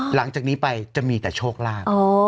หลังจากนี้ไปจะมีแต่โชคลาภ